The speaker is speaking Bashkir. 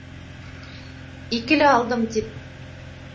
«Икеле» алдым тип!..